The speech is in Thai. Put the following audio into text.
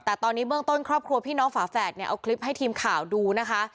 แต่ตอนนี้เบื้องต้นครอบครัวพี่น้องฝาแฝดเนี่ยเอาคลิปให้ทีมข่าวดูนะคะ